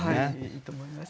いいと思います。